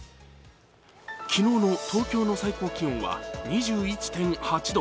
昨日の東京の最高気温は２１．８度。